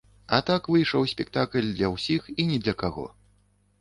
А так выйшаў спектакль для ўсіх і ні для каго.